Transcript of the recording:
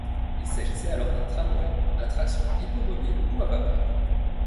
Il s'agissait alors d'un tramway à traction hippomobile ou à vapeur.